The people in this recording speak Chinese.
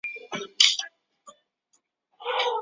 花错的妻子花景因梦因而走向为夫复仇的道路。